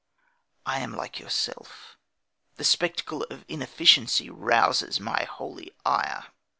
I am like yourself, the spectacle of inefficiency rouses my holy ire.